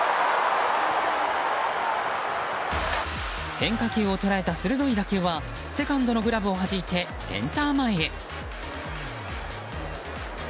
変化球を捉えた鋭い打球はセカンドのグラブをはじいてセンター前へ。